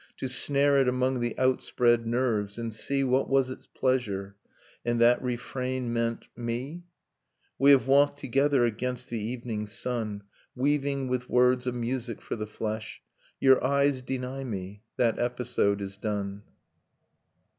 To snare it among the outspread nerves, and see What was its pleasure .., And that refrain meant ... me ?... We have walked together against the evening sun, Weaving with words a music for the flesh ... i Your eyes deny me, that episode is done.